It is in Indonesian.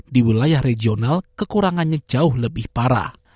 di wilayah regional kekurangannya jauh lebih parah